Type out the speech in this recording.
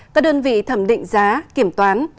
các đơn vị thẩm định giá kiểm toán